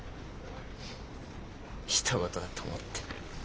ひと事だと思って。